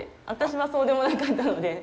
私はそうでもなかったので。